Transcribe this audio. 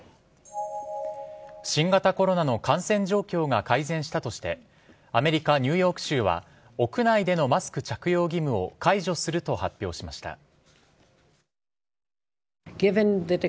新型コロナの感染状況が改善したとしてアメリカ・ニューヨーク州は屋内でのマスク着用義務を解除すると発表しました。